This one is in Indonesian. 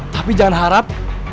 tapi jangan harap